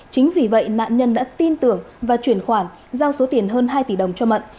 chính vì vậy nạn nhân đã tin tưởng và chuyển khoản giao số tiền hơn hai tỷ đồng cho mận